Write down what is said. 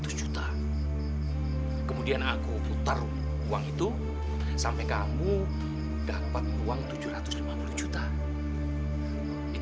saya mungkin tidak tahu bagaimana ditu